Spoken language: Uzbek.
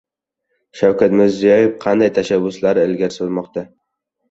Shavkat Mirziyoyev qanday tashabbuslarni ilgari surmoqda?